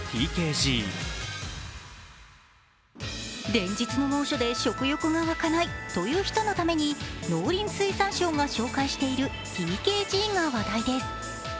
連日の猛暑で食欲がわかないという人のために、農林水産省が紹介しているＴＫＧが話題です。